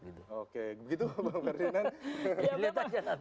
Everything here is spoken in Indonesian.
gitu oke begitu pak ferdinand